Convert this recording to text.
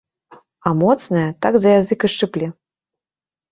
А моцная, так за язык і шчыпле.